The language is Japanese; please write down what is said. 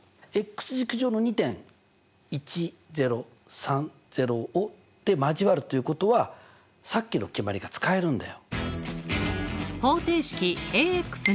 軸上の２点で交わるということはさっきの決まりが使えるんだよ。